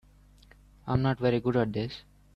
I'm not very good at this.